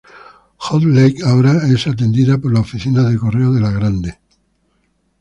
Hot Lake ahora es atendida por la oficina de correos de La Grande.